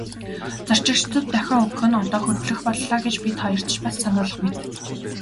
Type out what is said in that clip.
Зорчигчдод дохио өгөх нь одоо хөдлөх боллоо гэж бид хоёрт ч бас сануулах мэт.